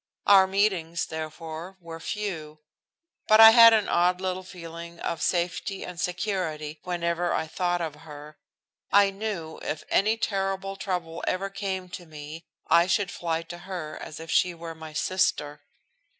Our meetings, therefore, were few. But I had an odd little feeling of safety and security whenever I thought of her. I knew if any terrible trouble ever came to me I should fly to her as if she were my sister.